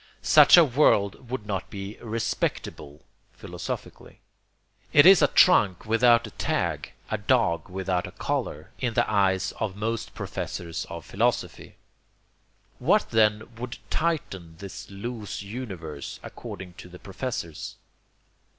Such a world would not be RESPECTABLE, philosophically. It is a trunk without a tag, a dog without a collar, in the eyes of most professors of philosophy. What then would tighten this loose universe, according to the professors?